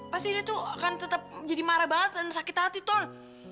pasti dia tuh akan tetap jadi marah banget dan sakit hati ton